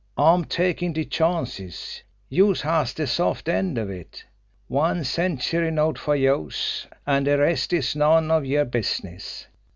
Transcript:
I'm takin' de chances, youse has de soft end of it. One century note fer youse an' de rest is none of yer business!